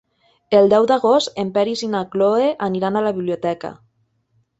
El deu d'agost en Peris i na Cloè aniran a la biblioteca.